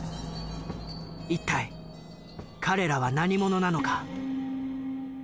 一体彼らは何者なのか？